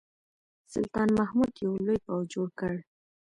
سلطان محمود یو لوی پوځ جوړ کړ.